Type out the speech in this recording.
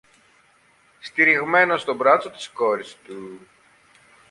στηριγμένος στο μπράτσο της κόρης του